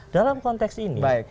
dalam konteks ini